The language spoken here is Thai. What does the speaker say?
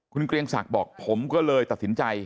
คุณเกรียงศักดิ์บอกผมก็เลยตัดสินใจ